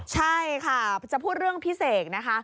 ใช่ค่ะจะพูดเรื่องพิเศษนะคะ